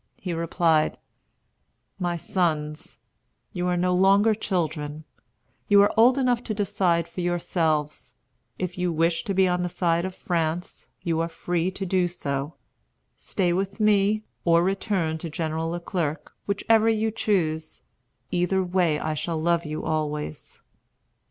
He replied: "My sons, you are no longer children. You are old enough to decide for yourselves. If you wish to be on the side of France, you are free to do so. Stay with me, or return to General Le Clerc, whichever you choose. Either way, I shall love you always."